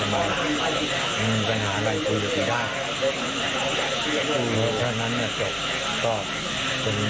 มึงปัญหาอะไรคุยกับคนหน้า